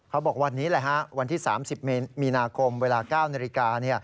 เขาบอกวันนี้แหละฮะวันที่๓๐มีนาคมเวลา๙นาฬิกา